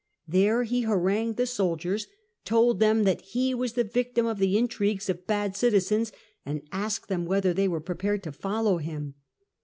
There he harangued the soldiers, told them that he was the victim of the intrigues of bad citizens, and asked them whether they were prepared to follow him.